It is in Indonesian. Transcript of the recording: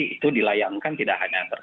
itu dilayangkan tidak hanya